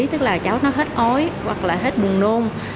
tức là cháu nó hết ói hoặc là hết bụng nôn